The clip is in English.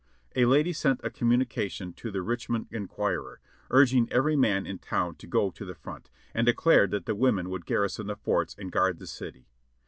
A lady sent a communication to the Riclimond Enquirer, urging every man in town to go to the front, and declared that the women would garrison the forts and guard the city.